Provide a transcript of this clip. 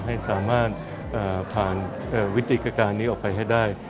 ให้สามารถผ่านวิธีการนี้ออกไปให้ได้